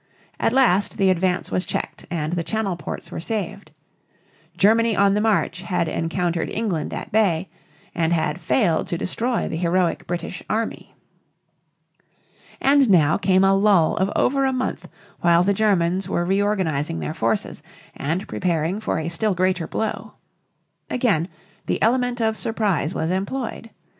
At last the advance was checked and the Channel ports were saved. "Germany on the march had encountered England at bay" and had failed to destroy the heroic British army. And now came a lull of over a month while the Germans were reorganizing their forces and preparing for a still greater blow. Again the element of surprise was employed.